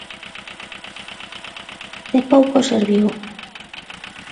De pouco serviu.